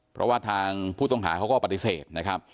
เพราะว่าทางผู้ต้องหาเขาก็ปฏิเสธนะครับ